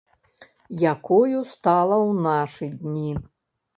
Якою стала ў нашы дні.